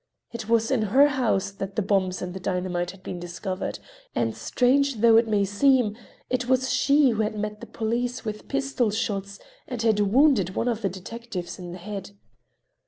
It was in her house that the bombs and the dynamite had been discovered, and, strange though it may seem, it was she who had met the police with pistol shots and had wounded one of the detectives in the head.